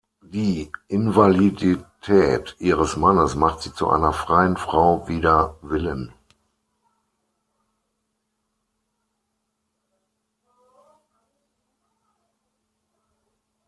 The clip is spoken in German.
Die Invalidität ihres Mannes macht sie zu einer „freien“ Frau wider Willen.